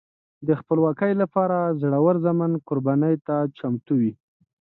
د خپلواکۍ لپاره زړور زامن قربانۍ ته چمتو وي.